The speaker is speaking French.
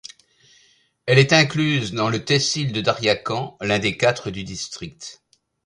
Elle est incluse dans le tehsil de Darya Khan, l'un des quatre du district.